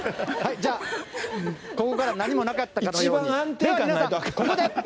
じゃあ、ここから何もなかったかのように。